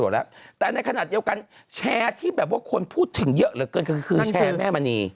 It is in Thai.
และเกินขึ้นคือแชร์แม่มณี